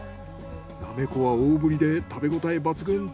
なめこは大ぶりで食べ応え抜群。